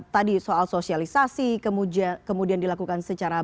tadi soal sosialisasi kemudian dilakukan secara